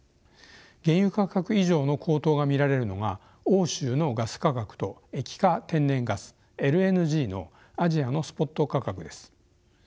原油価格以上の高騰が見られるのが欧州のガス価格と液化天然ガスＬＮＧのアジアのスポット価格です。